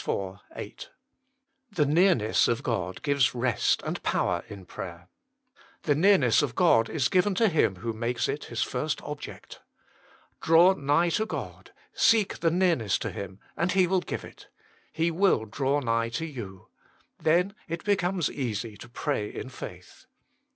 iv. 8. The nearness of God gives rest and power in praj cr. The near ness of God is given to him who makes it his first object. " Draw nigh to God "; seek the nearness to Him, and He will give it ;" He will draw nigh to you." Then it becomes easy to pray in faith.